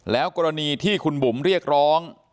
แล้วกรณีที่คุณบุ๋มเรียกร้อง